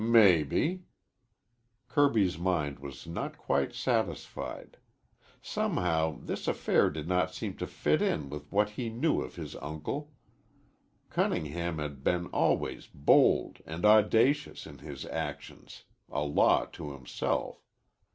"Mebbe." Kirby's mind was not quite satisfied. Somehow, this affair did not seem to fit in with what he knew of his uncle. Cunningham had been always bold and audacious in his actions, a law to himself.